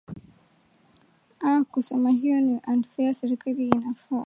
aa kusema ukweli hiyo ni unfair serikali inafaa